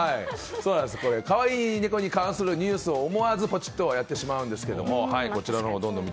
可愛い猫に関するニュースを思わずポチッとやってしまうんですけど。